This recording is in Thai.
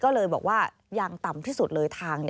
ก็เลยบอกว่าอย่างต่ำที่สุดเลยทาง